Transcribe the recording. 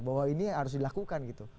bahwa ini harus dilakukan gitu